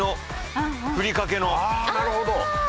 あなるほど。